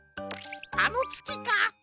あのつきか？